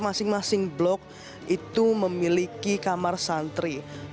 masing masing blok itu memiliki ruang untuk berbuka